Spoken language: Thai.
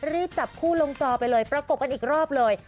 รีบจับคู่ลงจอไปเลยประกบกันอีกรอบเลย